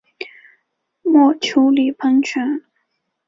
墨丘利喷泉。